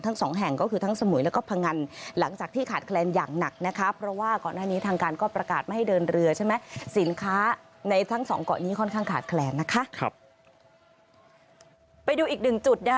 ทั้ง๒แห่งก็คือทั้งสมุยแล้วก็พังงาน